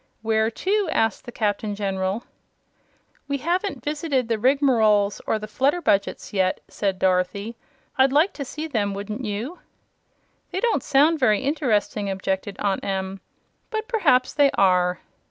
"Where to?" asked the Captain General. "We haven't visited the Rigmaroles or the Flutterbudgets yet," said Dorothy. "I'd like to see them wouldn't you?" "They don't sound very interesting," objected Aunt Em. "But perhaps they are."